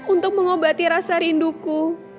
untuk mengobati rasa rinduku